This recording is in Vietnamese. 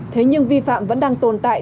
thế nhưng vi phạm vẫn đang tồn tại